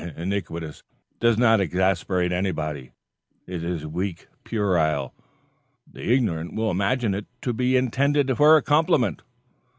'Iniquitous' does not exasperate anybody; it is weak puerile. The ignorant will imagine it to be intended for a compliment.